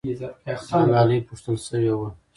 ملالۍ پوښتل سوې وه.